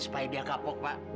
supaya dia kapok pak